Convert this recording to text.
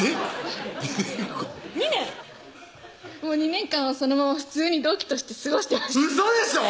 ２年間はそのまま普通に同期として過ごしてましたウソでしょ